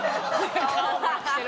顔隠してる。